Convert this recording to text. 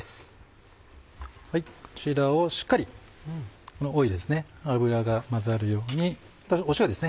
こちらをしっかりこのオイル油が混ざるように塩ですね